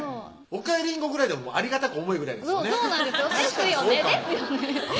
「おかえりんご」ぐらいでありがたく思えぐらいですよねですよねですよね